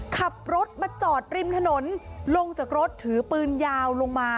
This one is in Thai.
ขับรถมาจอดริมถนนลงจากรถถือปืนยาวลงมา